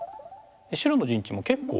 白の陣地も結構。